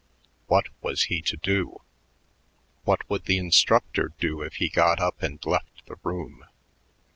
What was he to do? What would the instructor do if he got up and left the room?